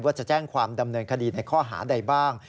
จะแจ้งความดำเนินคดีในข้อหาใดบ้าง